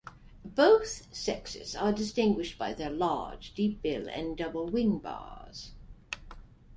Both sexes are distinguished by their large, deep bill and double wing bars.